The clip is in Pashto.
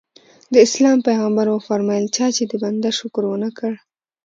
د اسلام پیغمبر وفرمایل چا چې د بنده شکر ونه کړ.